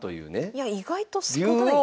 いや意外と少ない。